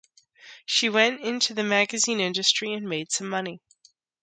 She went into the magazine industry and made some money.